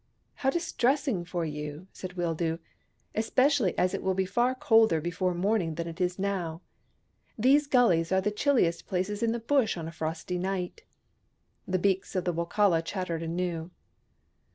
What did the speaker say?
" How distressing for you !" said Wildoo —" especially as it will be far colder before morning than it is now. These gullies are the chiUiest places in the Bush on a frosty night." The beaks of the Wokala chattered anew.